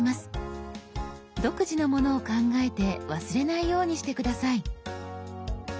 独自のものを考えて忘れないようにして下さい。